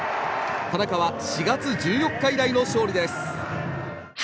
田中は４月１４日以来の勝利です。